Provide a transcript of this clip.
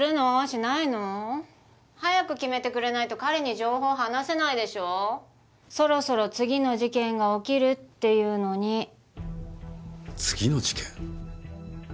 しないの？早く決めてくれないと彼に情報話せないでしょそろそろ次の事件が起きるっていうのに次の事件？